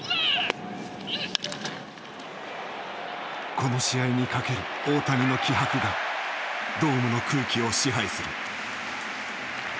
この試合に懸ける大谷の気迫がドームの空気を支配する。